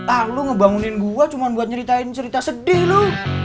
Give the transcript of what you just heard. ah lu ngebangunin gue cuma buat nyeritain cerita sedih lu